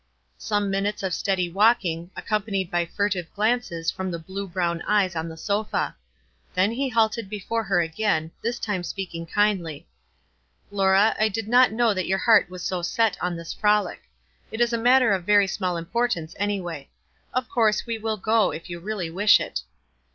Some minutes of steady walking, accompan ied by furtive glances from the blue brown eyes on the sofa. Then he halted before her again, this time speaking kindly, — WISE AND OTHERWISE. 29 "Laura, I did not know that your heart was bo set on this frolic. It is a matter of very small importance anyway. Of course we will g( if you really wish it."